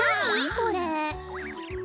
これ。